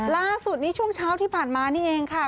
ล่าสุดนี้ช่วงเช้าที่ผ่านมานี่เองค่ะ